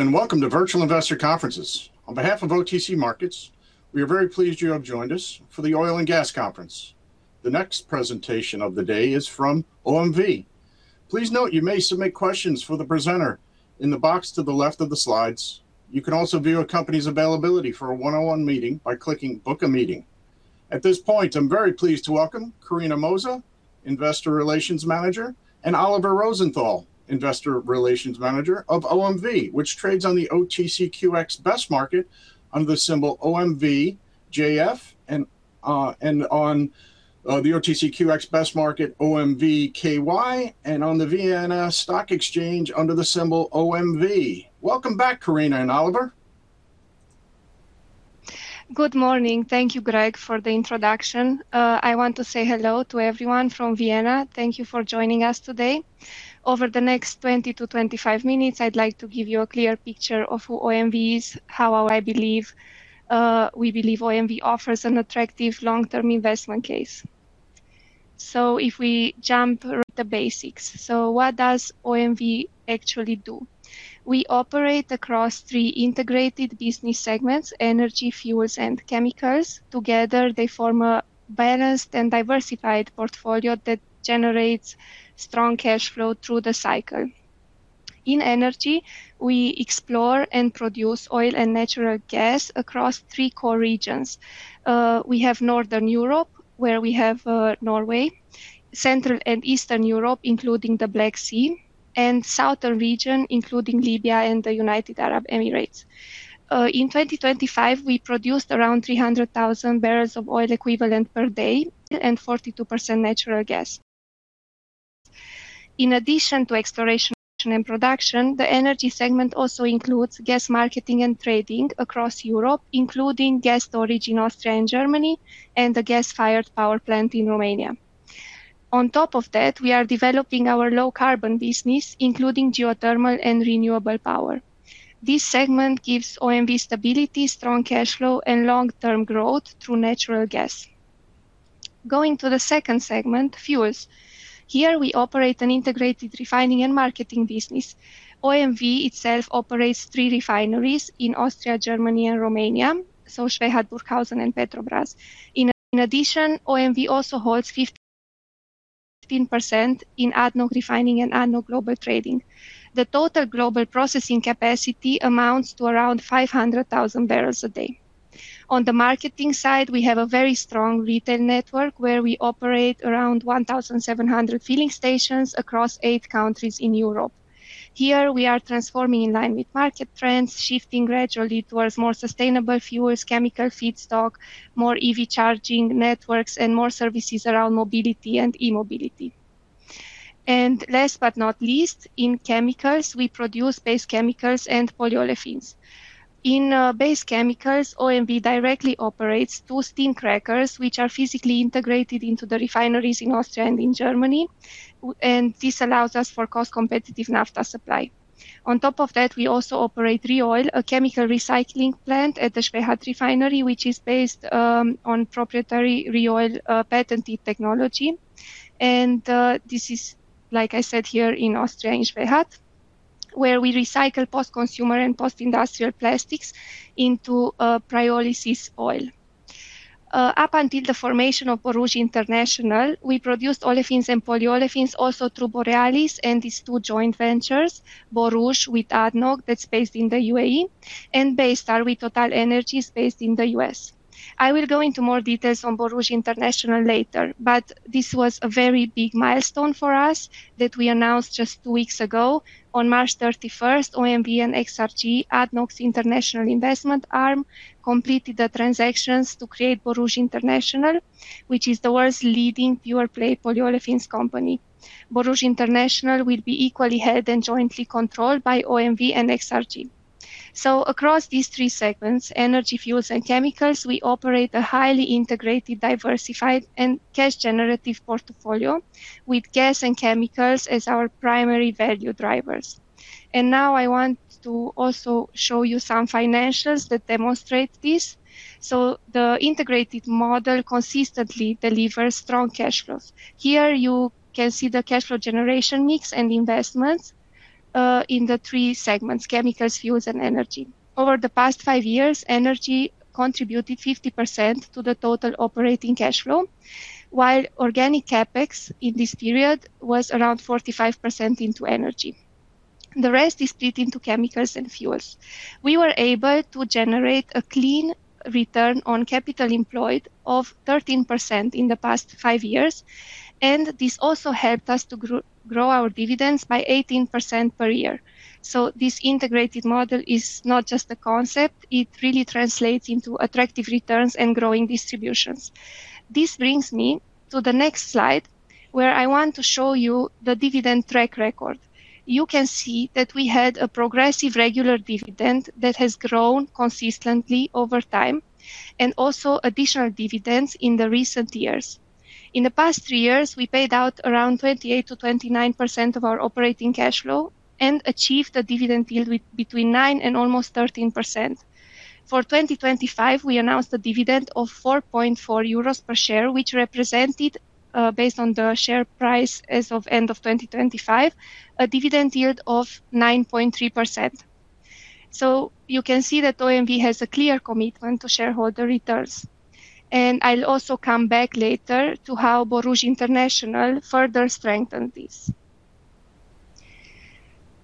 Hello, and welcome to Virtual Investor Conferences. On behalf of OTC Markets, we are very pleased you have joined us for the Oil and Gas Conference. The next presentation of the day is from OMV. Please note you may submit questions for the presenter in the box to the left of the slides. You can also view a company's availability for a one-on-one meeting by clicking Book a Meeting. At this point, I'm very pleased to welcome Corina Moza, Investor Relations Manager, and Oliver Rosenthal, Investor Relations Manager, of OMV, which trades on the OTCQX Best Market under the symbol OMVJF and on the OTCQX Best Market, OMVKY, and on the Vienna Stock Exchange under the symbol OMV. Welcome back, Corina and Oliver. Good morning. Thank you, Greg, for the introduction. I want to say hello to everyone from Vienna. Thank you for joining us today. Over the next 20-25 minutes, I'd like to give you a clear picture of who OMV is, how we believe OMV offers an attractive long-term investment case. If we jump right to basics, so what does OMV actually do? We operate across three integrated business segments: energy, fuels, and chemicals. Together, they form a balanced and diversified portfolio that generates strong cash flow through the cycle. In energy, we explore and produce oil and natural gas across three core regions. We have Northern Europe, where we have Norway, Central and Eastern Europe, including the Black Sea, and Southern region, including Libya and the United Arab Emirates. In 2025, we produced around 300,000 barrels of oil equivalent per day and 42% natural gas. In addition to exploration and production, the energy segment also includes gas marketing and trading across Europe, including gas storage in Austria and Germany, and a gas-fired power plant in Romania. On top of that, we are developing our low-carbon business, including geothermal and renewable power. This segment gives OMV stability, strong cash flow, and long-term growth through natural gas. Going to the second segment, fuels. Here we operate an integrated refining and marketing business. OMV itself operates three refineries in Austria, Germany, and Romania, so Schwechat, Burghausen, and Petrobrazi. In addition, OMV also holds 15% in ADNOC Refining and ADNOC Global Trading. The total global processing capacity amounts to around 500,000 barrels a day. On the marketing side, we have a very strong retail network where we operate around 1,700 filling stations across eight countries in Europe. Here we are transforming in line with market trends, shifting gradually towards more sustainable fuels, chemical feedstock, more EV charging networks, and more services around mobility and e-mobility. Last but not least, in chemicals, we produce base chemicals and olefins. In base chemicals, OMV directly operates two steam crackers, which are physically integrated into the refineries in Austria and in Germany, and this allows us for cost-competitive naphtha supply. On top of that, we also operate ReOil, a chemical recycling plant at the Schwechat refinery, which is based on proprietary ReOil patented technology. This is, like I said, here in Austria, in Schwechat, where we recycle post-consumer and post-industrial plastics into pyrolysis oil. Up until the formation of Borouge International, we produced olefins and polyolefins also through Borealis and these two joint ventures, Borouge with ADNOC, that's based in the U.A.E., and Baystar with TotalEnergies, based in the U.S. I will go into more details on Borouge International later, but this was a very big milestone for us that we announced just two weeks ago. On March 31st, OMV and XRG, ADNOC's international investment arm, completed the transactions to create Borouge International, which is the world's leading pure-play polyolefins company. Borouge International will be equally held and jointly controlled by OMV and XRG. Across these three segments, energy, fuels, and chemicals, we operate a highly integrated, diversified, and cash-generative portfolio with gas and chemicals as our primary value drivers. Now I want to also show you some financials that demonstrate this. The integrated model consistently delivers strong cash flows. Here you can see the cash flow generation mix and investments, in the three segments, chemicals, fuels, and energy. Over the past five years, energy contributed 50% to the total operating cash flow, while organic CapEx in this period was around 45% into energy. The rest is split into chemicals and fuels. We were able to generate a clean return on capital employed of 13% in the past five years, and this also helped us to grow our dividends by 18% per year. This integrated model is not just a concept, it really translates into attractive returns and growing distributions. This brings me to the next slide, where I want to show you the dividend track record. You can see that we had a progressive, regular dividend that has grown consistently over time and also additional dividends in the recent years. In the past three years, we paid out around 28%-29% of our operating cash flow and achieved a dividend yield between 9% and almost 13%. For 2025, we announced a dividend of 4.4 euros per share, which represented, based on the share price as of end of 2025, a dividend yield of 9.3%. So you can see that OMV has a clear commitment to shareholder returns. I'll also come back later to how Borouge International further strengthened this.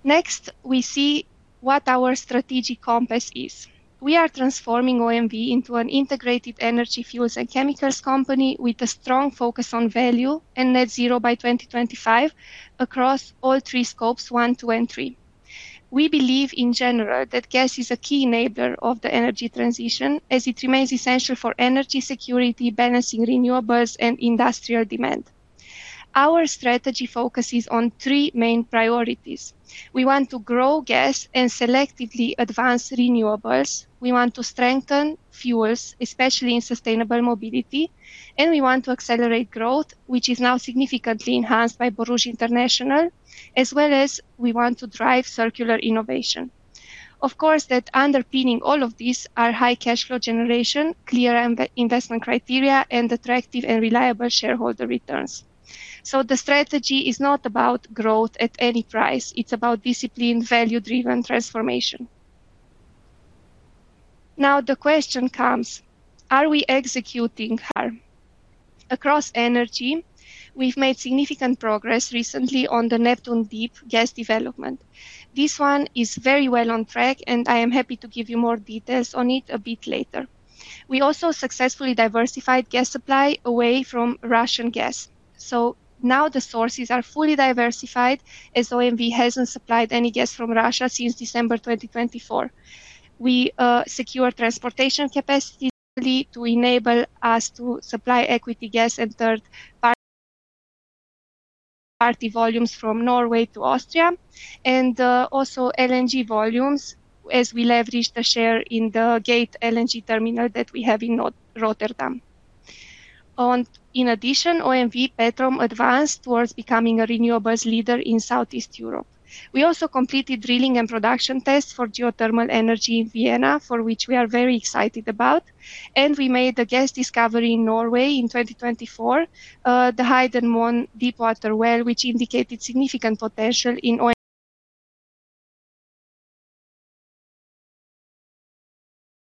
Next, we see what our strategic compass is. We are transforming OMV into an integrated energy, fuels, and chemicals company with a strong focus on value and net zero by 2025 across all three scopes, one, two, and three. We believe in general that gas is a key enabler of the energy transition as it remains essential for energy security, balancing renewables, and industrial demand. Our strategy focuses on three main priorities. We want to grow gas and selectively advance renewables. We want to strengthen fuels, especially in sustainable mobility. We want to accelerate growth, which is now significantly enhanced by Borouge International, as well as we want to drive circular innovation. Of course, that's underpinning all of these are high cash flow generation, clear investment criteria, and attractive and reliable shareholder returns. The strategy is not about growth at any price. It's about disciplined, value-driven transformation. Now the question comes, are we executing hard? Across energy, we've made significant progress recently on the Neptun Deep gas development. This one is very well on track, and I am happy to give you more details on it a bit later. We also successfully diversified gas supply away from Russian gas. Now the sources are fully diversified as OMV hasn't supplied any gas from Russia since December 2024. We secure transportation capacity to enable us to supply equity gas and third-party volumes from Norway to Austria and also LNG volumes as we leverage the share in the Gate LNG terminal that we have in Rotterdam. In addition, OMV Petrom advanced towards becoming a renewables leader in Southeast Europe. We also completed drilling and production tests for geothermal energy in Vienna, for which we are very excited about. We made a gas discovery in Norway in 2024, the Heidrun Deep Water well, which indicated significant potential in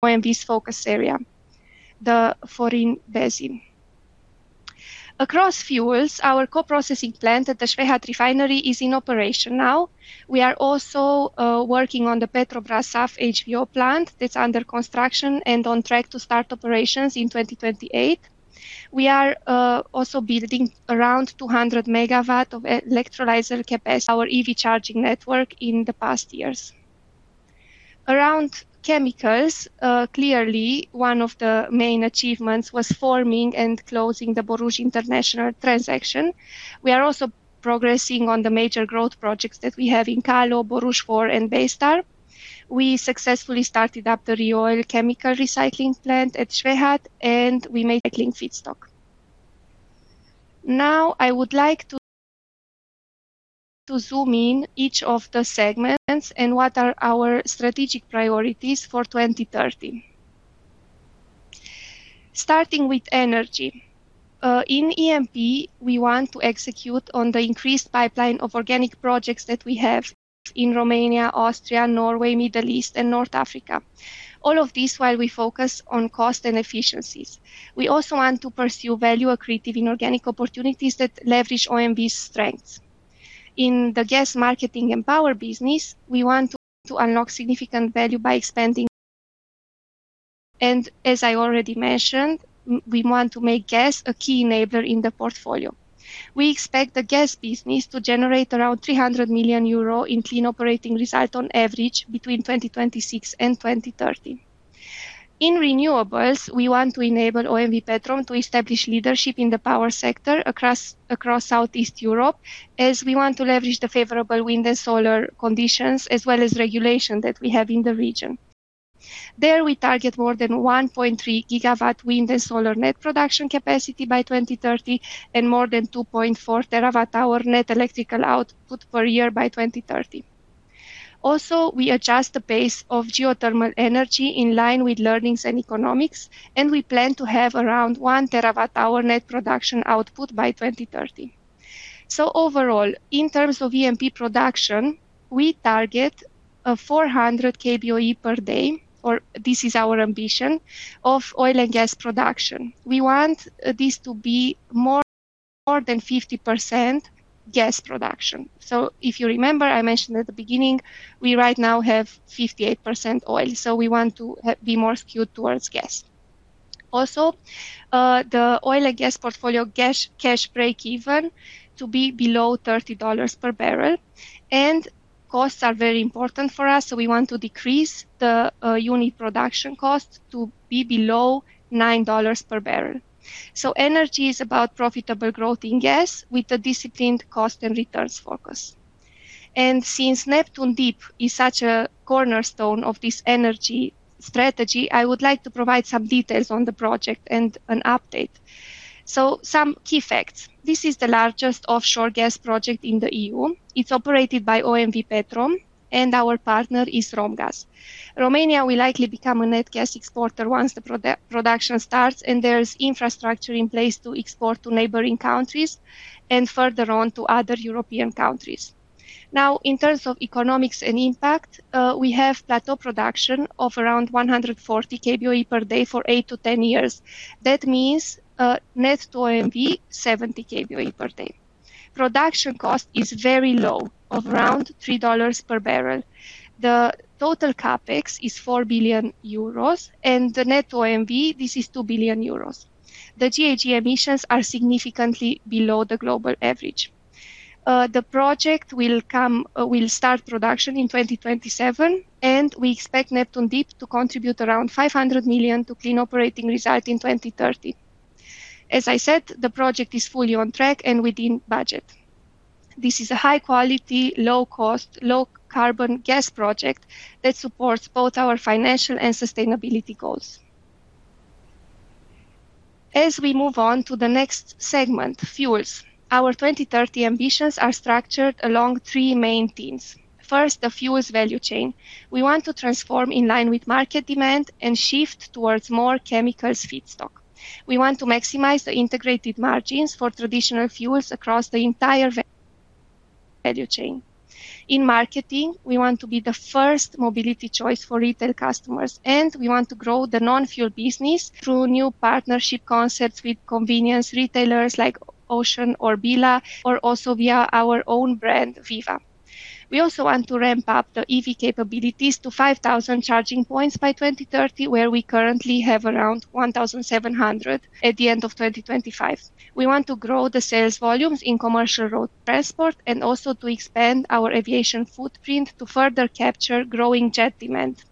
OMV's focus area, the Vøring Basin. Across fuels, our co-processing plant at the Schwechat Refinery is in operation now. We are also working on the Petrobrazi SAF HVO plant that's under construction and on track to start operations in 2028. We are also building around 200 MW of electrolyzer capacity, our EV charging network in the past years. Around chemicals, clearly, one of the main achievements was forming and closing the Borouge International transaction. We are also progressing on the major growth projects that we have in Kallo, Borouge 4 and Baystar. We successfully started up the ReOil chemical recycling plant at Schwechat, and we made recycling feedstock. Now, I would like to zoom in on each of the segments and what are our strategic priorities for 2030. Starting with energy. In E&P, we want to execute on the increased pipeline of organic projects that we have in Romania, Austria, Norway, Middle East, and North Africa. All of this while we focus on cost and efficiencies. We also want to pursue value-accretive inorganic opportunities that leverage OMV's strengths. In the gas marketing and power business, we want to unlock significant value by expanding and as I already mentioned, we want to make gas a key enabler in the portfolio. We expect the gas business to generate around 300 million euro in clean operating result on average between 2026 and 2030. In renewables, we want to enable OMV Petrom to establish leadership in the power sector across Southeast Europe as we want to leverage the favorable wind and solar conditions, as well as regulation that we have in the region. There, we target more than 1.3 GW wind and solar net production capacity by 2030 and more than 2.4 TWh net electrical output per year by 2030. Also, we adjust the pace of geothermal energy in line with learnings and economics, and we plan to have around 1 TWh net production output by 2030. Overall, in terms of E&P production, we target 400 kBOE per day, or this is our ambition, of oil and gas production. We want this to be more than 50% gas production. If you remember, I mentioned at the beginning, we right now have 58% oil, so we want to be more skewed towards gas. Also, the oil and gas portfolio cash breakeven to be below $30 per barrel. Costs are very important for us, so we want to decrease the unit production cost to be below $9 per barrel. Energy is about profitable growth in gas with a disciplined cost and returns focus. Since Neptun Deep is such a cornerstone of this energy strategy, I would like to provide some details on the project and an update. Some key facts. This is the largest offshore gas project in the EU. It's operated by OMV Petrom, and our partner is Romgaz. Romania will likely become a net gas exporter once the production starts, and there's infrastructure in place to export to neighboring countries and further on to other European countries. Now, in terms of economics and impact, we have plateau production of around 140 kBOE per day for eight-10 years. That means net to OMV, 70 kBOE per day. Production cost is very low of around $3 per barrel. The total CapEx is 4 billion euros, and the net to OMV, this is 2 billion euros. The GHG emissions are significantly below the global average. The project will start production in 2027, and we expect Neptun Deep to contribute around 500 million to clean operating result in 2030. As I said, the project is fully on track and within budget. This is a high-quality, low-cost, low-carbon gas project that supports both our financial and sustainability goals. As we move on to the next segment, fuels. Our 2030 ambitions are structured along three main themes. First, the fuels value chain. We want to transform in line with market demand and shift towards more chemicals feedstock. We want to maximize the integrated margins for traditional fuels across the entire value chain. In marketing, we want to be the first mobility choice for retail customers, and we want to grow the non-fuel business through new partnership concepts with convenience retailers like Auchan or Billa, or also via our own brand, VIVA. We also want to ramp up the EV capabilities to 5,000 charging points by 2030, where we currently have around 1,700 at the end of 2025. We want to grow the sales volumes in commercial road transport and also to expand our aviation footprint to further capture growing jet demand.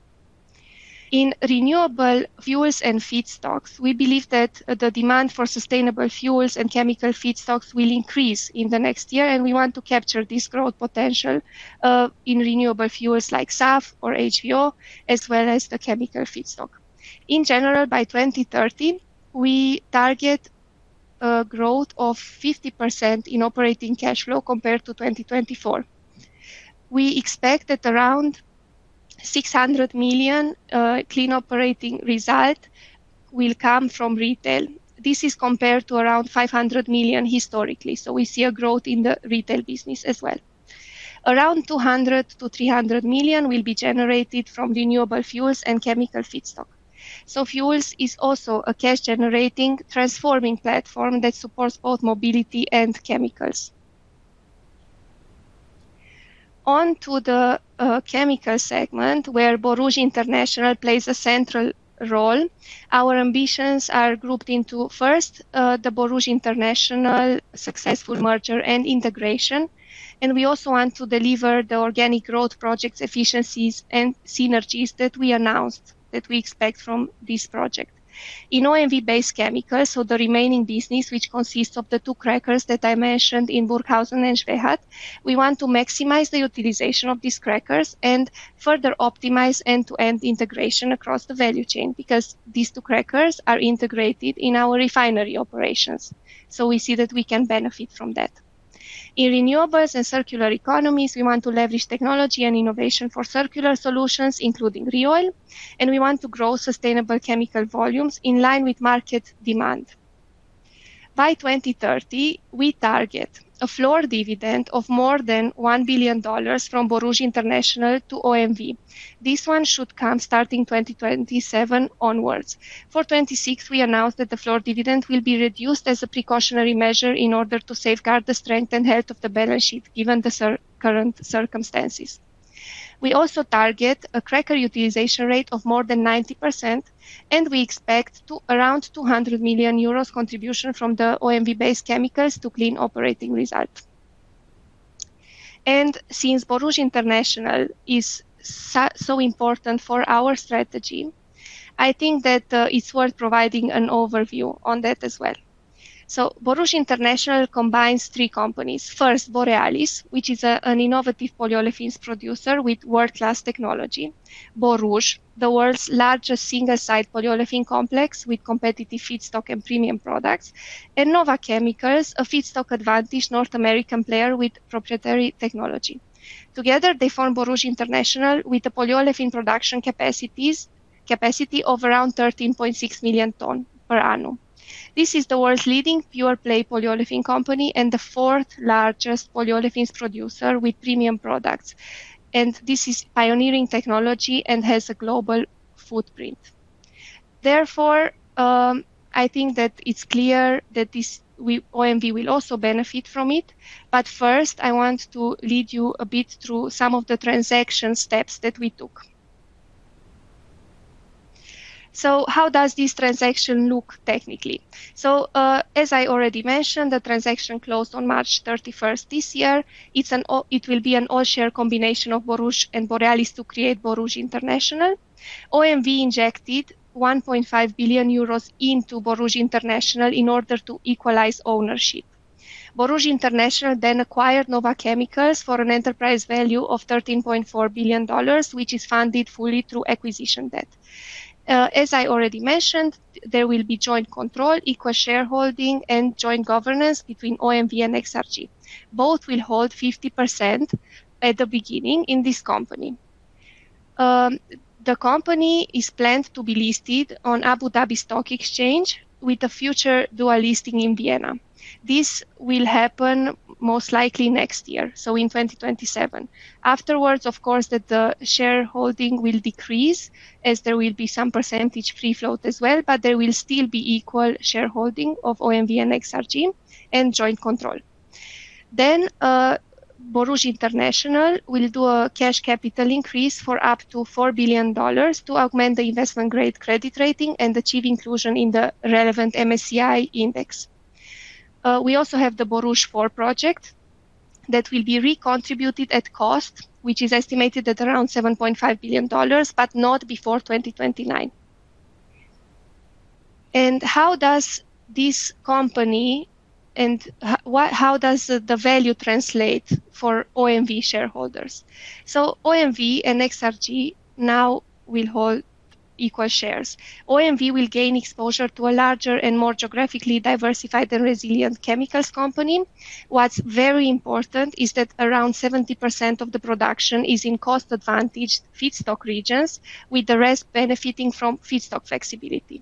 In renewable fuels and feedstocks, we believe that the demand for sustainable fuels and chemical feedstocks will increase in the next year, and we want to capture this growth potential, in renewable fuels like SAF or HVO, as well as the chemical feedstock. In general, by 2030, we target a growth of 50% in operating cash flow compared to 2024. We expect that around 600 million clean operating result will come from retail. This is compared to around 500 million historically. We see a growth in the retail business as well. Around 200 million-300 million will be generated from renewable fuels and chemical feedstock. Fuels is also a cash-generating, transforming platform that supports both mobility and chemicals. On to the chemical segment, where Borouge International plays a central role. Our ambitions are grouped into first, the Borouge International successful merger and integration, and we also want to deliver the organic growth projects, efficiencies, and synergies that we announced that we expect from this project. In OMV-based chemicals, so the remaining business, which consists of the two crackers that I mentioned in Burghausen and Schwechat, we want to maximize the utilization of these crackers and further optimize end-to-end integration across the value chain because these two crackers are integrated in our refinery operations. We see that we can benefit from that. In renewables and circular economies, we want to leverage technology and innovation for circular solutions, including ReOil, and we want to grow sustainable chemical volumes in line with market demand. By 2030, we target a floor dividend of more than $1 billion from Borouge International to OMV. This one should come starting 2027 onwards. For 2026, we announced that the floor dividend will be reduced as a precautionary measure in order to safeguard the strength and health of the balance sheet, given the current circumstances. We also target a cracker utilization rate of more than 90%, and we expect around 200 million euros contribution from the OMV-based chemicals to clean operating results. Since Borouge International is so important for our strategy, I think that it's worth providing an overview on that as well. Borouge International combines three companies. First, Borealis, which is an innovative polyolefins producer with world-class technology. Borouge, the world's largest single-site olefin complex with competitive feedstock and premium products. NOVA Chemicals, a feedstock-advantaged North American player with proprietary technology. Together, they form Borouge International with the polyolefin production capacity of around 13.6 million tons per annum. This is the world's leading pure-play polyolefin company and the fourth-largest polyolefins producer with premium products. This is pioneering technology and has a global footprint. Therefore, I think that it's clear that OMV will also benefit from it. First, I want to walk you a bit through some of the transaction steps that we took. How does this transaction look technically? As I already mentioned, the transaction closed on March 31st this year. It will be an all-share combination of Borouge and Borealis to create Borouge International. OMV injected 1.5 billion euros into Borouge International in order to equalize ownership. Borouge International acquired NOVA Chemicals for an enterprise value of $13.4 billion, which is funded fully through acquisition debt. As I already mentioned, there will be joint control, equal shareholding, and joint governance between OMV and XRG. Both will hold 50% at the beginning in this company. The company is planned to be listed on Abu Dhabi Securities Exchange with a future dual listing in Vienna. This will happen most likely next year, so in 2027. Afterwards, of course, the shareholding will decrease as there will be some percentage free float as well, but there will still be equal shareholding of OMV and XRG and joint control. Borouge International will do a cash capital increase for up to $4 billion to augment the investment-grade credit rating and achieve inclusion in the relevant MSCI index. We also have the Borouge 4 project that will be recontributed at cost, which is estimated at around $7.5 billion, but not before 2029. How does this company, and how does the value translate for OMV shareholders? OMV and XRG now will hold equal shares. OMV will gain exposure to a larger and more geographically diversified and resilient chemicals company. What's very important is that around 70% of the production is in cost-advantaged feedstock regions, with the rest benefiting from feedstock flexibility.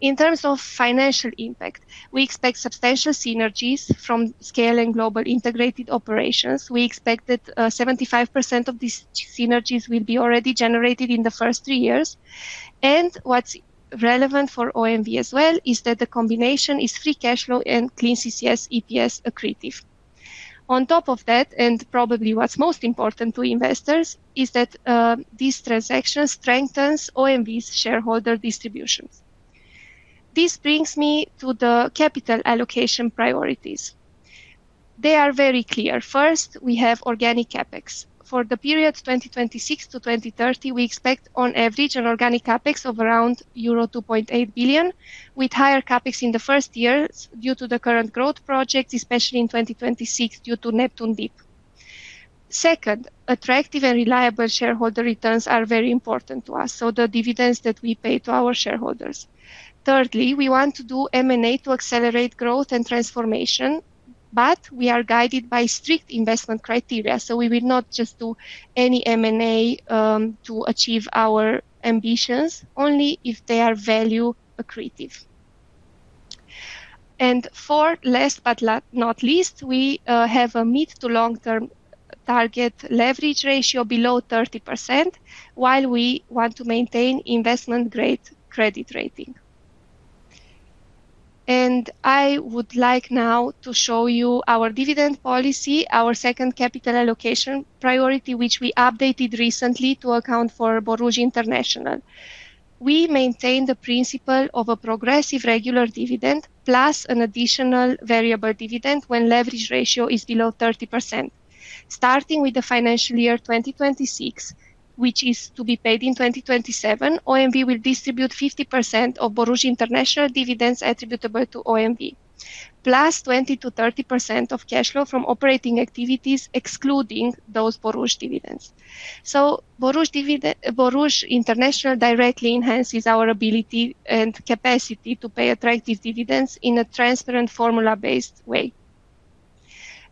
In terms of financial impact, we expect substantial synergies from scale and global integrated operations. We expect that 75% of these synergies will be already generated in the first three years. What's relevant for OMV as well is that the combination is free cash flow and Clean CCS EPS accretive. On top of that, and probably what's most important to investors, is that this transaction strengthens OMV's shareholder distributions. This brings me to the capital allocation priorities. They are very clear. First, we have organic CapEx. For the period 2026 to 2030, we expect on average an organic CapEx of around euro 2.8 billion, with higher CapEx in the first years due to the current growth projects, especially in 2026 due to Neptun Deep. Second, attractive and reliable shareholder returns are very important to us, so the dividends that we pay to our shareholders. Thirdly, we want to do M&A to accelerate growth and transformation, but we are guided by strict investment criteria, so we will not just do any M&A to achieve our ambitions, only if they are value accretive. Four, last but not least, we have a mid to long-term target leverage ratio below 30%, while we want to maintain investment-grade credit rating. I would like now to show you our dividend policy, our second capital allocation priority, which we updated recently to account for Borouge International. We maintain the principle of a progressive regular dividend plus an additional variable dividend when leverage ratio is below 30%. Starting with the financial year 2026, which is to be paid in 2027, OMV will distribute 50% of Borouge International dividends attributable to OMV, +20%-30% of cash flow from operating activities excluding those Borouge dividends. Borouge International directly enhances our ability and capacity to pay attractive dividends in a transparent, formula-based way.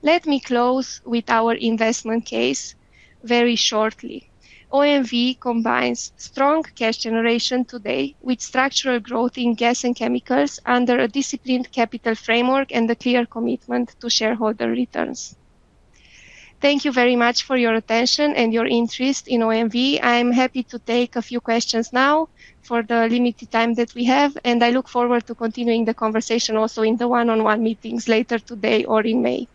Let me close with our investment case very shortly. OMV combines strong cash generation today with structural growth in gas and chemicals under a disciplined capital framework and a clear commitment to shareholder returns. Thank you very much for your attention and your interest in OMV. I'm happy to take a few questions now for the limited time that we have, and I look forward to continuing the conversation also in the one-on-one meetings later today or in May.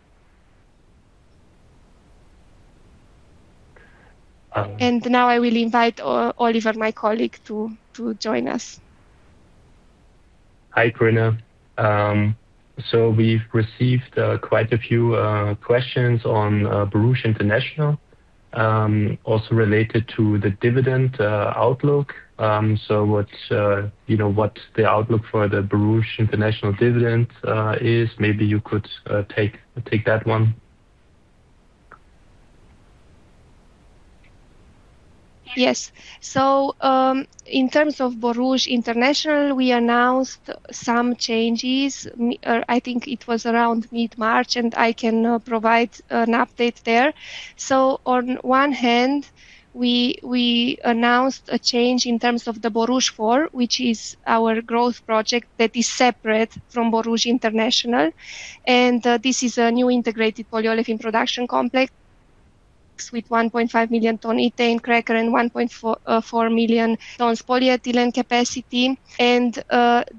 Now I will invite Oliver, my colleague, to join us. Hi, Corina. We've received quite a few questions on Borouge International, also related to the dividend outlook. What is the outlook for the Borouge International dividend? Maybe you could take that one. Yes. In terms of Borouge International, we announced some changes. I think it was around mid-March, and I can provide an update there. On one hand, we announced a change in terms of the Borouge 4, which is our growth project that is separate from Borouge International. This is a new integrated polyolefin production complex with 1.5 millionton ethane cracker and 1.4 million tons polyethylene capacity.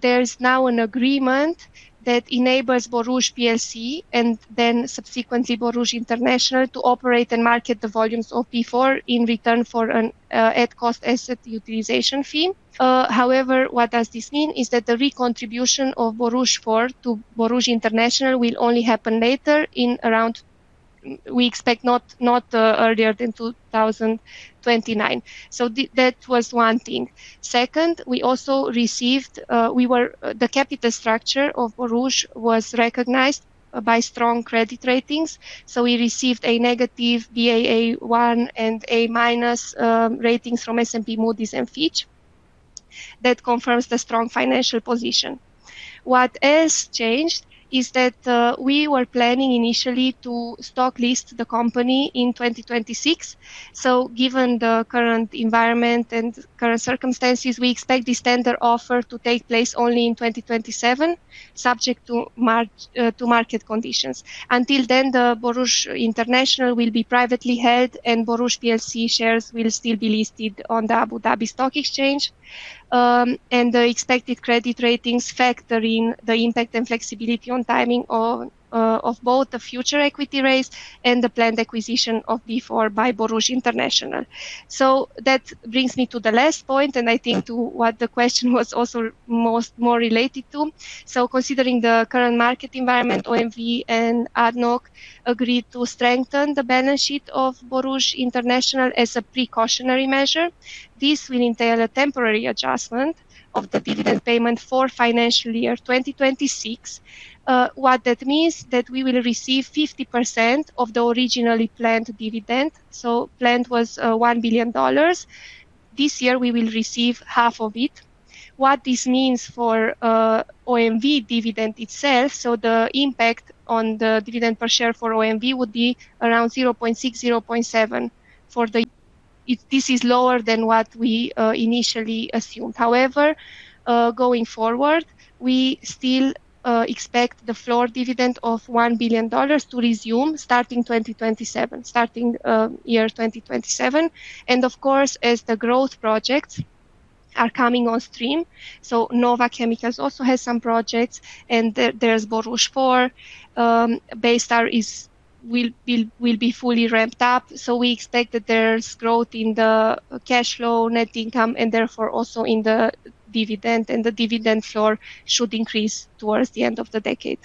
There is now an agreement that enables Borouge Plc, and then subsequently Borouge International, to operate and market the volumes of P4 in return for an at-cost asset utilization fee. However, what does this mean is that the recontribution of Borouge 4 to Borouge International will only happen later in around, we expect not earlier than 2029. That was one thing. Second, the capital structure of Borouge was recognized by strong credit ratings, so we received a negative Baa1 and A- ratings from S&P, Moody's, and Fitch. That confirms the strong financial position. What has changed is that we were planning initially to stock list the company in 2026. Given the current environment and current circumstances, we expect the standard offer to take place only in 2027, subject to market conditions. Until then, Borouge International will be privately held and Borouge Plc shares will still be listed on the Abu Dhabi Securities Exchange. The expected credit ratings factor in the impact and flexibility on timing of both the future equity raise and the planned acquisition of Borealis by Borouge International. That brings me to the last point, and I think to what the question was also more related to. Considering the current market environment, OMV and ADNOC agreed to strengthen the balance sheet of Borouge International as a precautionary measure. This will entail a temporary adjustment of the dividend payment for financial year 2026. What that means, we will receive 50% of the originally planned dividend. Planned was $1 billion. This year we will receive half of it. What this means for OMV dividend itself, the impact on the dividend per share for OMV would be around $0.6-$0.7. This is lower than what we initially assumed. However, going forward, we still expect the floor dividend of $1 billion to resume starting 2027. Of course, as the growth projects are coming on stream, NOVA Chemicals also has some projects and there's Borouge 4, Baystar will be fully ramped up. We expect that there's growth in the cash flow, net income, and therefore also in the dividend, and the dividend floor should increase towards the end of the decade.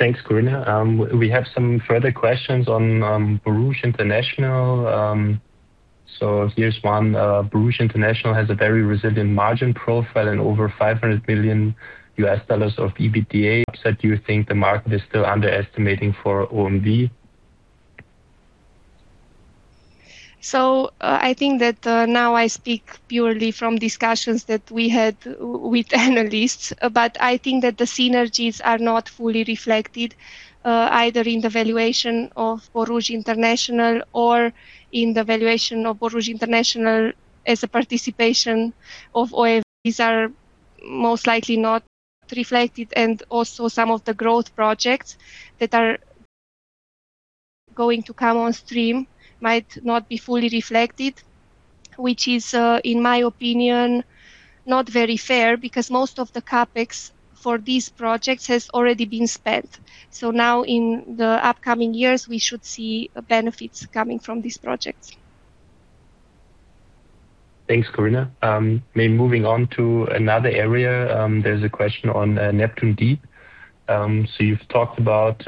Thanks, Corina. We have some further questions on Borouge International. Here's one. Borouge International has a very resilient margin profile and over $500 billion of EBITDA. Do you think the market is still underestimating for OMV? I think that now I speak purely from discussions that we had with analysts, but I think that the synergies are not fully reflected, either in the valuation of Borouge International or in the valuation of Borouge International as a participation of OMV. These are most likely not reflected, and also some of the growth projects that are going to come on stream might not be fully reflected. Which is, in my opinion, not very fair because most of the CapEx for these projects has already been spent. Now in the upcoming years, we should see benefits coming from these projects. Thanks, Corina. Maybe moving on to another area, there's a question on Neptun Deep. You've talked about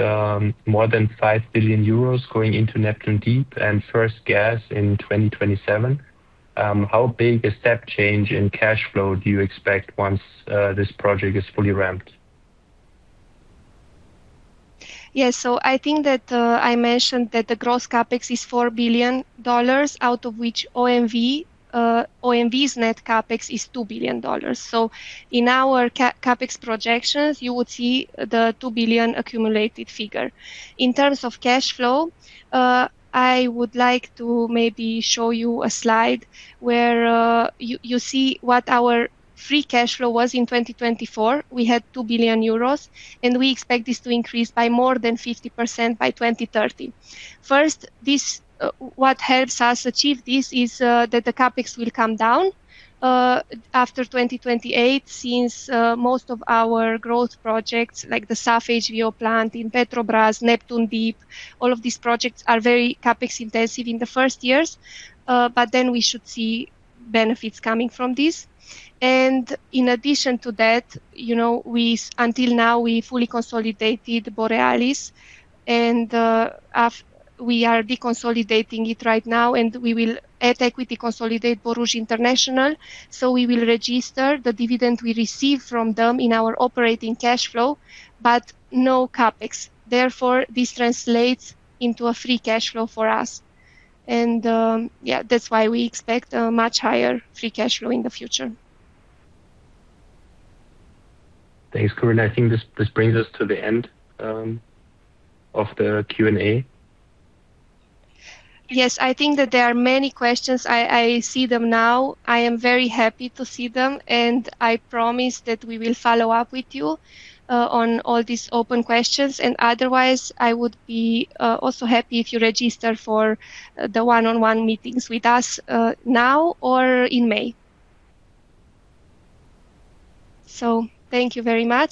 more than 5 billion euros going into Neptun Deep and first gas in 2027. How big a step change in cash flow do you expect once this project is fully ramped? Yeah, I think that I mentioned that the gross CapEx is $4 billion, out of which OMV's net CapEx is $2 billion. In our CapEx projections, you would see the $2 billion accumulated figure. In terms of cash flow, I would like to maybe show you a slide where you see what our free cash flow was in 2024. We had 2 billion euros, and we expect this to increase by more than 50% by 2030. First, what helps us achieve this is that the CapEx will come down after 2028 since most of our growth projects, like the SAF HVO plant in Petrobrazi, Neptun Deep, all of these projects are very CapEx-intensive in the first years, but then we should see benefits coming from this. In addition to that, until now, we fully consolidated Borealis, and we are deconsolidating it right now, and we will at equity consolidate Borouge International. We will register the dividend we receive from them in our operating cash flow, but no CapEx. Therefore, this translates into a free cash flow for us. Yeah, that's why we expect a much higher free cash flow in the future. Thanks, Corina. I think this brings us to the end of the Q&A. Yes, I think that there are many questions. I see them now. I am very happy to see them, and I promise that we will follow up with you on all these open questions. Otherwise, I would be also happy if you register for the one-on-one meetings with us now or in May. Thank you very much.